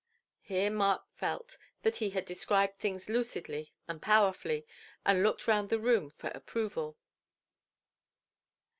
Here Mark felt that he had described things lucidly and powerfully, and looked round the room for approval.